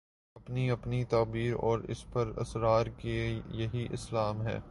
اپنی اپنی تعبیر اور اس پر اصرار کہ یہی اسلام ہے۔